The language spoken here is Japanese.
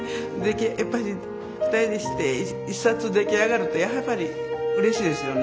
やっぱり２人でして１冊出来上がるとやっぱりうれしいですよね。